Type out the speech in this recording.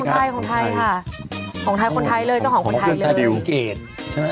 ของคนไทยเลยจ้ะของคนไทยเลย